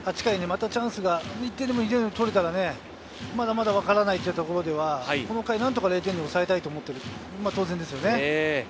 １点でも２点でも取れたら、まだまだ分からないというところではこの回、何とか０点で抑えたいと思っているのは当然ですよね。